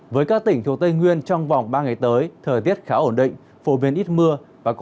với các tỉnh thuộc tây nguyên trong vòng ba ngày tới thời tiết khá ổn định phổ biến ít mưa